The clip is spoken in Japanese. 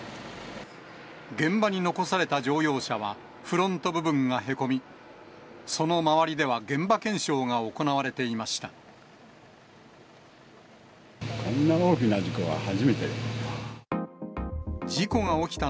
現場に残された乗用車はフロント部分がへこみ、その周りでは、現場検証が行われていました。